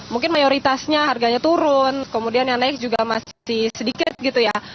mungkin mayoritasnya harganya turun kemudian yang naik juga masih sedikit gitu ya